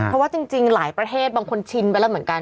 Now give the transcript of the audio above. เพราะว่าจริงหลายประเทศบางคนชินไปแล้วเหมือนกัน